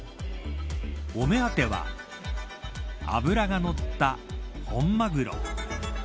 お目当ては脂がのった本マグロ。